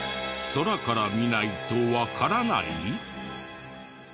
空から見ないとわからない？